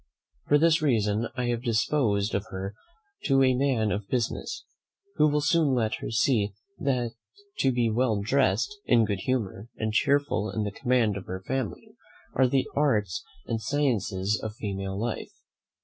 For this reason I have disposed of her to a man of business, who will soon let her see that to be well dressed, in good humour, and cheerful in the command of her family, are the arts and sciences of female life.